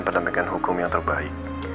pendampingan hukum yang terbaik